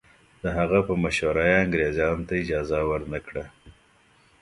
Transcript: د هغه په مشوره یې انګریزانو ته اجازه ورنه کړه.